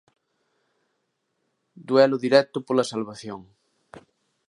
Duelo directo pola salvación.